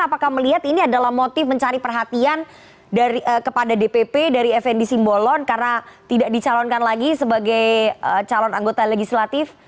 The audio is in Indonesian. apakah melihat ini adalah motif mencari perhatian kepada dpp dari fnd simbolon karena tidak dicalonkan lagi sebagai calon anggota legislatif